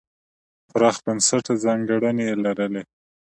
پراخ بنسټه ځانګړنې یې لرلې.